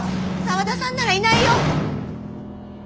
沢田さんならいないよ。